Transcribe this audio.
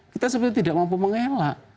kita sebenarnya tidak mampu mengelak